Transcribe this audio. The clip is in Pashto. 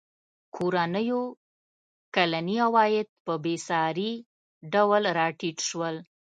کورنیو کلني عواید په بېساري ډول راټیټ شول.